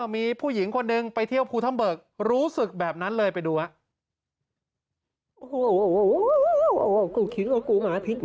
มีผู้หญิงคนหนึ่งไปเที่ยวภูทับเบิกรู้สึกแบบนั้นเลยไปดูครับ